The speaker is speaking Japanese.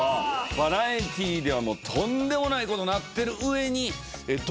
バラエティーではとんでもないことなってる上にドラマで。